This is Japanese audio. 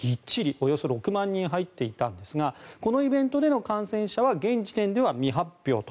およそ６万人入っていたんですがこのイベントでの感染者は現時点では未発表と。